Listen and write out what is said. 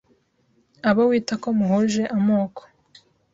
Abo wita ko muhuje amoko